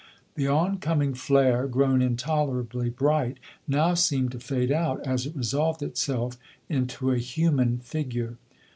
The on coming flare, grown intolerably bright, now seemed to fade out as it resolved itself into a human figure.